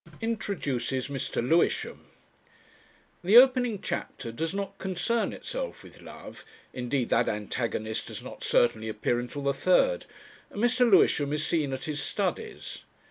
INTRODUCES MR. LEWISHAM. The opening chapter does not concern itself with Love indeed that antagonist does not certainly appear until the third and Mr. Lewisham is seen at his studies.